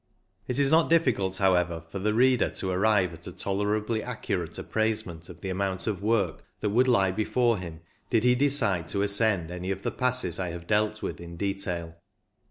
It is not difficult, however, for the reader 213 THE LABOUR INVOLVED 213 to arrive at a tolerably accurate appraise ment of the amount of work that would lie before him did he decide to ascend any of the passes I have dealt with in detail.